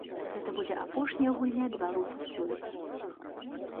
Гэта будзе апошняя гульня беларусаў сёлета.